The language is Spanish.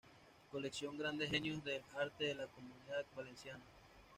Colección Grandes Genios del Arte de la Comunitat Valenciana.